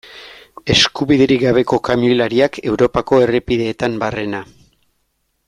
Eskubiderik gabeko kamioilariak Europako errepideetan barrena.